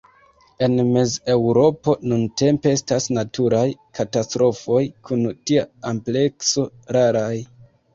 En Mez-Eŭropo nuntempe estas naturaj katastrofoj kun tia amplekso raraj.